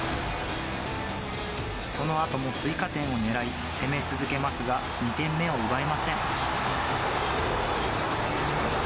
そのあとも追加点を狙い攻め続けますが２点目を奪えません。